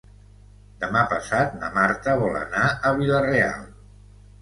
Demà passat na Marta vol anar a Vila-real.